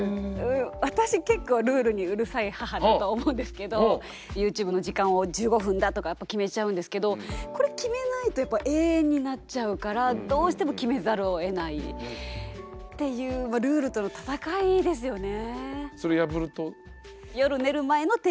私結構ルールにうるさい母だと思うんですけどＹｏｕＴｕｂｅの時間を１５分だとかやっぱ決めちゃうんですけどこれ決めないとやっぱ永遠になっちゃうからどうしても決めざるをえないっていうそれ破ると？